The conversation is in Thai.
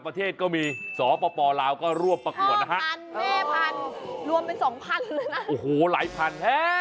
ไม่ใช่แบบนั้น